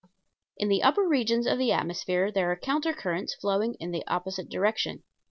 In the upper regions of the atmosphere there are counter currents flowing in the opposite direction.